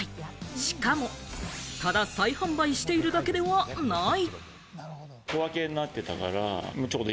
しかも、ただ再販売しているだけではない。